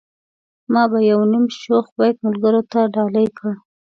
ما به يو نيم شوخ بيت ملګرو ته ډالۍ کړ.